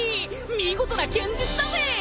見事な剣術だぜ！